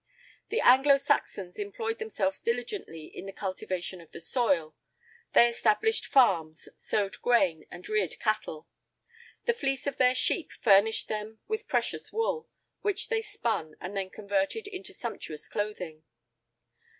[I 52] The Anglo Saxons employed themselves diligently in the cultivation of the soil; they established farms, sowed grain, and reared cattle. The fleece of their sheep furnished them with precious wool, which they spun, and then converted into sumptuous clothing.